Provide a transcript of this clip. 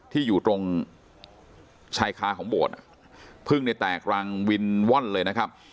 ที่อยู่ตรงชายคาของโบสถ์พึ่งเนี่ยแตกรังวินว่อนเลยนะครับ